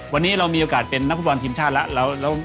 วันนี้เรามีโอกาสเป็นนักฟุตบอลทีมชาติแล้ว